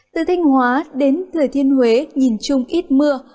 từ thanh hóa đến thừa thiên huế nhìn chung ít mưa